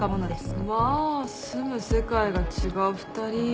まあ住む世界が違う２人ですよね？